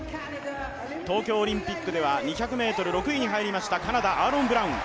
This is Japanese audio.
東京オリンピックでは２００ｍ、６位に入りました、カナダ、アーロン・ブラウン。